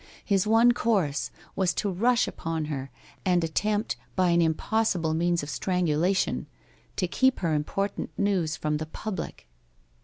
His one course was to rush upon her and attempt, by an impossible means of strangulation, to keep her important news from the public.